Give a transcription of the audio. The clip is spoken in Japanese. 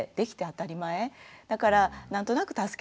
だから何となく助けてって